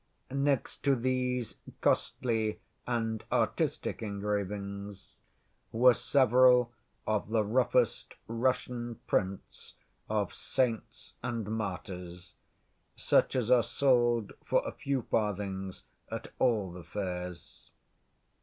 Next to these costly and artistic engravings were several of the roughest Russian prints of saints and martyrs, such as are sold for a few farthings at all the fairs.